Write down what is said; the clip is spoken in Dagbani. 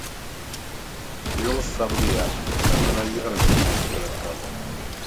Yuŋ sabigiya, ka zɔna yiɣiri gindi luɣili kam.